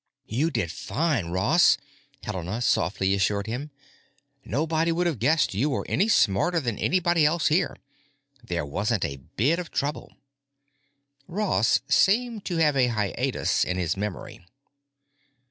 "You did fine, Ross," Helena softly assured him. "Nobody would have guessed you were any smarter than anybody else here. There wasn't a bit of trouble." Ross seemed to have a hiatus in his memory.